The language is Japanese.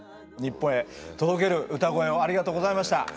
日本へ届ける歌声をありがとうございました。